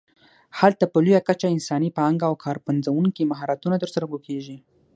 هلته په لویه کچه انساني پانګه او کار پنځوونکي مهارتونه تر سترګو کېږي.